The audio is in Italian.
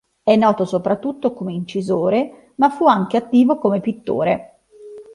È noto soprattutto come incisore, ma fu anche attivo come pittore.